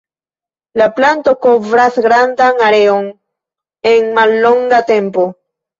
La planto kovras grandan areon en mallonga tempo.